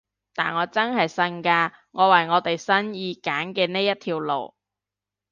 但我真係信㗎，我為我哋生意揀嘅呢一條路